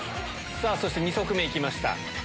そして２足目行きました。